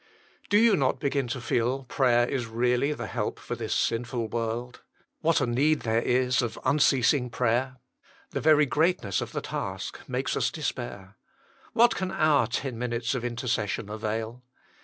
Do you not begin to feel prayer is really the help for this sinful world? What a need there is of unceasing prayer? The very greatness of the task makes us despair ! What can our ten minutes of intercession avail